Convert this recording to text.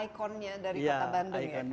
ikonnya dari kota bandung ya